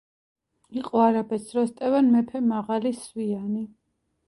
იყო არაბეთს როსტევან მეფე მაღალი სვიანი